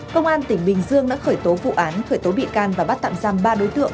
công an tỉnh bình dương đã khởi tố vụ án khởi tố bị can và bắt tạm giam ba đối tượng